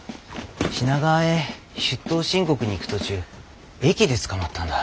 品川へ出頭申告に行く途中駅で捕まったんだ。